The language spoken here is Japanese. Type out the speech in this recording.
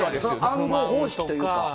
暗号方式というか。